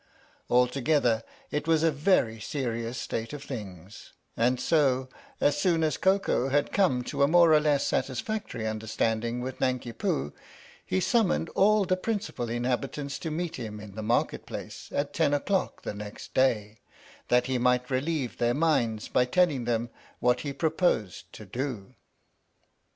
Altogether, it was a very serious state of things, and so, as soon as Koko had come to a more or less satisfactory under standing with Nanki Poo, he summoned all the principal inhabitants to meet him in the Market Place at ten o'clock the next day, that he might relieve 60 THE STORY OF THE MIKADO their minds by telling them what he proposed to do.